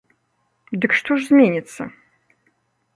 Дык што ж зменіцца?